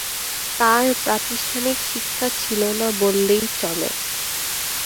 তাঁর প্রাতিষ্ঠানিক শিক্ষা ছিল না বললেই চলে।